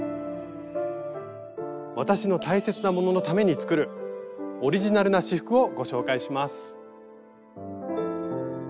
わたしの大切なもののために作るオリジナルな仕覆をご紹介します。